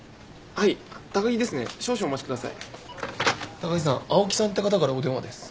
高木さん青木さんって方からお電話です。